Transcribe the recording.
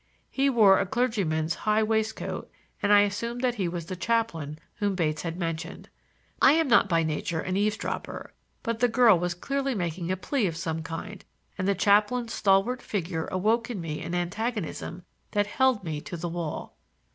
He wore a clergyman's high waistcoat, and I assumed that he was the chaplain whom Bates had mentioned. I am not by nature an eavesdropper, but the girl was clearly making a plea of some kind, and the chaplain's stalwart figure awoke in me an antagonism that held me to the wall.